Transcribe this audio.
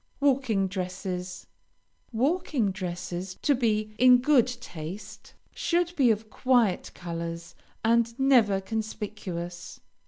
WALKING DRESSES Walking dresses, to be in good taste, should be of quiet colors, and never conspicuous.